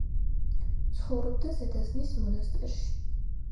ცხოვრობდა ზედაზნის მონასტერში.